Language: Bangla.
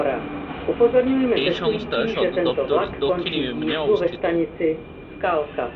এই সংস্থার সদর দপ্তর দক্ষিণ ইয়েমেনে অবস্থিত ছিল।